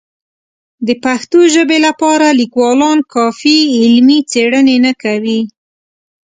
د پښتو ژبې لپاره لیکوالان کافي علمي څېړنې نه کوي.